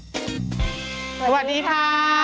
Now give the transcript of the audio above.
สวัสดีค่ะ